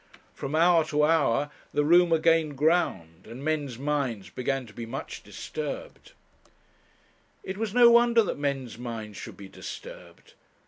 From hour to hour the rumour gained ground, and men's minds began to be much disturbed. It was no wonder that men's minds should be disturbed.